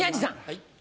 はい。